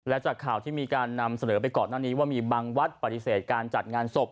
และจากข่าวที่มีการนำเสนอไปก่อนหน้านี้ว่ามีบางวัดปฏิเสธการจัดงานศพ